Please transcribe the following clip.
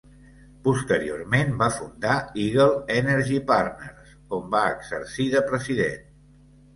Posteriorment va fundar Eagle Energy Partners, on va exercir de president.